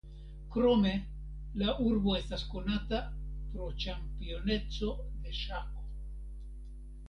Krome la urbo estas konata pro ĉampioneco de ŝako.